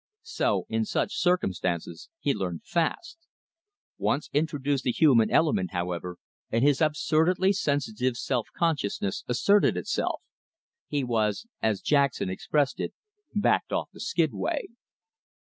So in such circumstances he learned fast. Once introduce the human element, however, and his absurdly sensitive self consciousness asserted itself. He was, as Jackson expressed it, backed off the skidway.